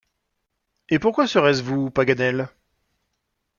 Et pourquoi serait-ce vous, Paganel?